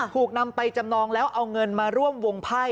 ถูกนำไปจำนองแล้วเอาเงินมาร่วมวงไพ่